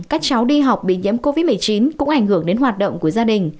các cháu đi học bị nhiễm covid một mươi chín cũng ảnh hưởng đến hoạt động của gia đình